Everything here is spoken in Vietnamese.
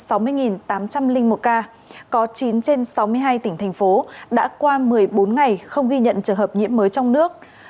có chín trên sáu mươi hai tỉnh thành phố đã qua một mươi bốn ngày không ghi nhận trường hợp nhiễm mới trong nước